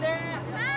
はい！